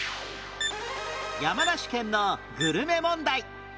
山梨県のグルメ問題